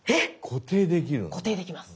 固定できます。